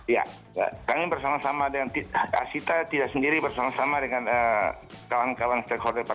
ya kami bersama sama dengan asita tidak sendiri bersama sama dengan kawan kawan stakeholder